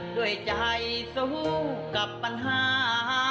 ด้วยใจสู้กับปัญหา